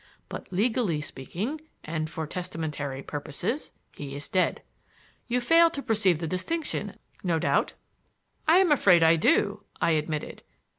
But legally speaking, and for testamentary purposes, he is dead. You fail to perceive the distinction, no doubt?" "I am afraid I do," I admitted.